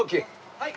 はい！